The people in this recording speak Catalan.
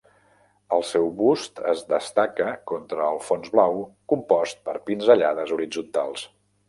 El seu bust es destaca contra el fons blau compost per pinzellades horitzontals.